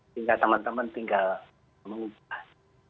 sehingga teman teman tinggal mengubah